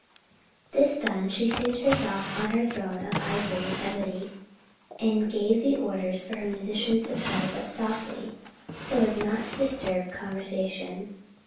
This done, she seated herself on her throne of ivory and ebony, and gave orders for her musicians to play, but softly, so as not to disturb conversation.